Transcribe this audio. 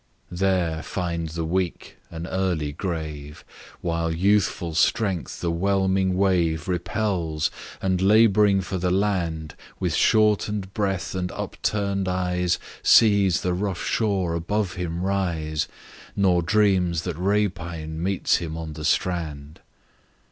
There find the weak an early grave, While youthful strength the whelming wave Repels; and labouring for the land, Page 62 With shorten'd breath and upturn'd eyes, Sees the rough shore above him rise, Nor dreams that rapine meets him on the strand.